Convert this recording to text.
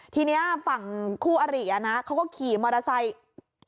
ทีนี้ฝั่งคู่อรินะเขาก็ขี่มอเตอร์ไซค์